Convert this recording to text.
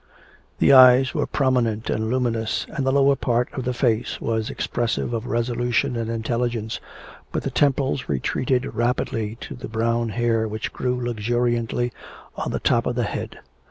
The eyes were prominent and luminous, and the lower part of the face was expressive of resolution and intelligence, but the temples retreated rapidly to the brown hair which grew luxuriantly on the top of the head.